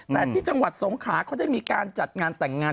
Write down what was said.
แต่ที่จังหวัดสงขาเขาได้มีการจัดงานแต่งงาน